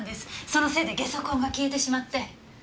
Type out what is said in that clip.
そのせいでゲソ痕が消えてしまって。